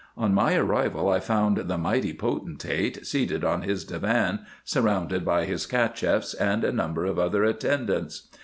On my arrival, I found the mighty potentate seated on his divan, surrounded by his Cacheffs, and a number of other attendants.